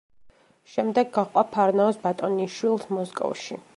შემდეგ გაჰყვა ფარნაოზ ბატონიშვილს მოსკოვში.